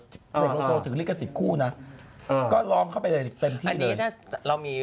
เสกโลโซถือลิขสิทธิ์คู่นะก็ร้องเข้าไปเลยเต็มที่เลย